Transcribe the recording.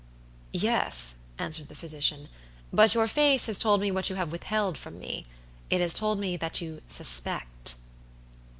"Yes," answered the physician, "but your face has told me what you have withheld from me; it has told me that you suspect."